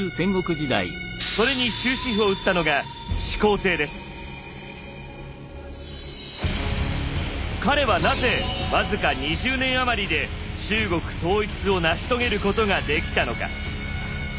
それに終止符を打ったのが彼はなぜ僅か２０年余りで中国統一を成し遂げることができたのか。